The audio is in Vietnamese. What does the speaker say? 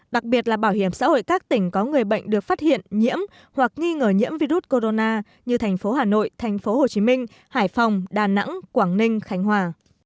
đặc biệt là bảo hiểm xã hội các tỉnh có người bệnh được phát hiện nhiễm hoặc nghi ngờ nhiễm virus corona như thành phố hà nội thành phố hồ chí minh hải phòng đà nẵng quảng ninh khánh hòa